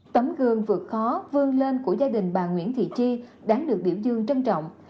tấm gương vượt khó vươn lên của gia đình bà nguyễn thị chi đáng được biểu dương trân trọng